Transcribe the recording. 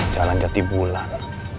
jalan jati bulan